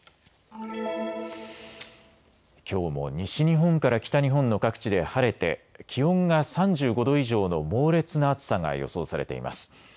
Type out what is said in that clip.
きょうも西日本から北日本の各地で晴れて気温が３５度以上の猛烈な暑さが予想されています。